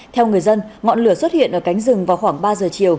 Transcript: theo người dân ngọn lửa xuất hiện ở cánh rừng vào khoảng ba giờ chiều